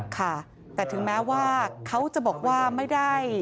ค่ะแต่ถึงแม้ว่าเขาจะบอกว่าไม่ได้